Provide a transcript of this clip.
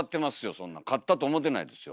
そんな勝ったと思てないですよ。